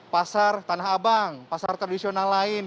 pasar tanah abang pasar tradisional lain